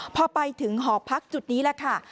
พอไปถึงหอพักจุดนี้แหละค่ะ